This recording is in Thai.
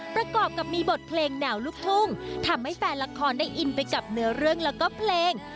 ประกอบกับมีบทเพลงแนวลูกทุ่งทำให้แฟนละครได้อินไปกับเนื้อเรื่องแล้วก็เพลง